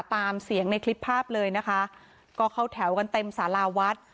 ตามเสียงในคลิปภาพเลยนะคะก็เข้าแถวกันเต็มสาราวัด